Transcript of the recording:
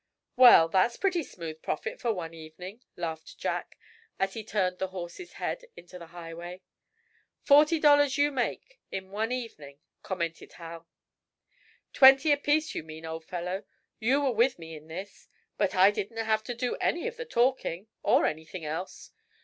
"Well, that's a pretty smooth profit for one evening," laughed Jack, as he turned the horse's head into the highway. "Forty dollars you make, in one evening," commented Hal. "Twenty apiece, you mean, old fellow. You were with me in this." "But I didn't have to do any of the talking, or anything else."